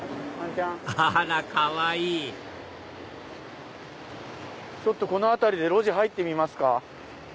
あらかわいいちょっとこの辺りで路地入ってみますか。